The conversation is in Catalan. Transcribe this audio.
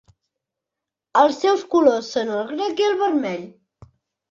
Els seus colors són el groc i el vermell.